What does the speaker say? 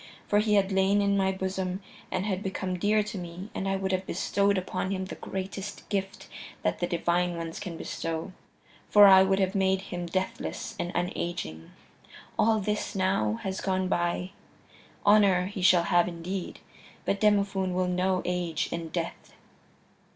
For he had lain in my bosom and had become dear to me and I would have bestowed upon him the greatest gift that the Divine Ones can bestow, for I would have made him deathless and unaging. All this, now, has gone by. Honor he shall have indeed, but Demophoon will know age and death."